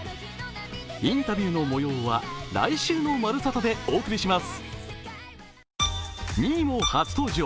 インタビューのもようは来週の「まるサタ」でお送りします。